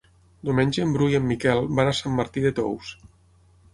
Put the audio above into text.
Diumenge en Bru i en Miquel van a Sant Martí de Tous.